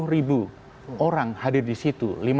dua puluh ribu orang hadir di situ